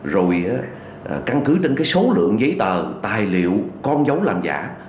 rồi căn cứ trên cái số lượng giấy tờ tài liệu con giấu làm giả